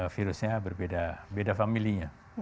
virusnya berbeda beda familinya